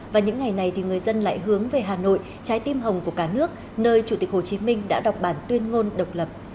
và những ngày này thì người dân lại hướng về hà nội trái tim hồng của cả nước nơi chủ tịch hồ chí minh đã đọc bản tuyên ngôn độc lập